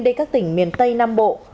đến các tỉnh miền tây nam bộ